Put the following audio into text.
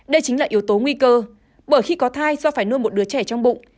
đây chính là yếu tố nguy cơ bởi khi có thai do phải nuôi một đứa trẻ trong bụng